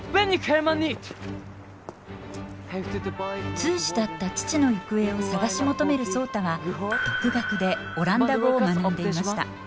通詞だった父の行方を探し求める壮多は独学でオランダ語を学んでいました。